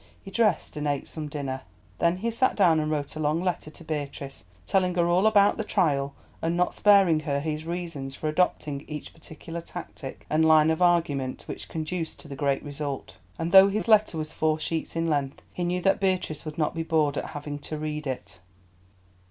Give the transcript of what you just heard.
He dressed and ate some dinner. Then he sat down and wrote a long letter to Beatrice, telling her all about the trial, and not sparing her his reasons for adopting each particular tactic and line of argument which conduced to the great result. And though his letter was four sheets in length, he knew that Beatrice would not be bored at having to read it.